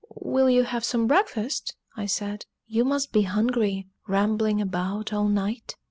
"Will you have some breakfast?" I said. "You must be hungry, rambling about all night!"